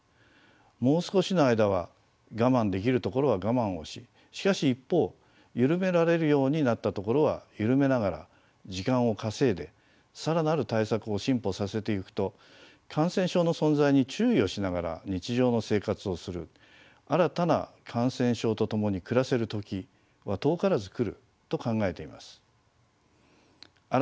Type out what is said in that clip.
もう少しの間は我慢できるところは我慢をししかし一方緩められるようになったところは緩めながら時間を稼いで更なる対策を進歩させてゆくと感染症の存在に注意をしながら日常の生活をする新たな感染症と共に暮らせる時は遠からずくると考えています。